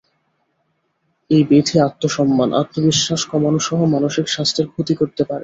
এই ব্যাধি আত্মসম্মান, আত্মবিশ্বাস কমানোসহ মানসিক স্বাস্থ্যের ক্ষতি করতে পারে।